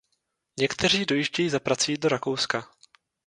Někteří dojíždějí za prací do Rakouska.